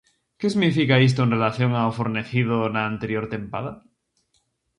Que significa isto en relación ao fornecido na anterior tempada?